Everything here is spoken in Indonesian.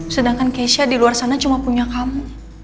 sedangkan keisha di luar sana cuma punya kamu